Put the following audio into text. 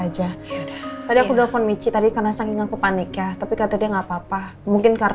jadi semua pada panik